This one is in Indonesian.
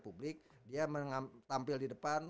publik dia tampil di depan